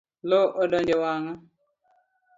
Loo odonje wanga.